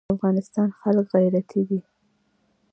د افغانستان خلک غیرتي دي